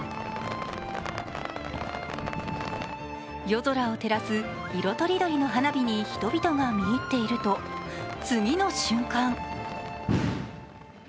夜空を照らす色とりどりの花火に人々が見入っていると、次の瞬間。